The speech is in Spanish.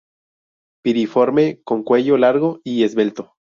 Piriforme con un cuello largo y esbelto.